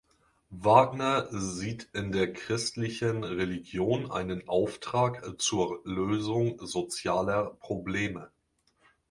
Wagner sieht in der christlichen Religion einen Auftrag zur Lösung sozialer Probleme.